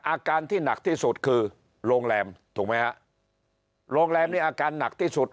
อาการที่หนักที่สุดคือโรงแรมถูกไหมฮะโรงแรมนี้อาการหนักที่สุด